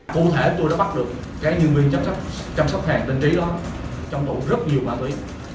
cụ thể tôi đã bắt được nhân viên chăm sóc hàng tình trí đó trong tụi rất nhiều ma túy